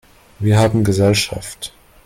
Wir haben Gesellschaft!